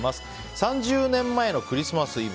３０年前のクリスマスイブ。